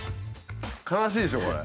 悲しいでしょこれ。